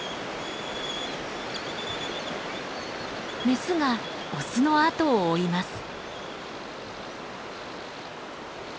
メスがオスのあとを追います。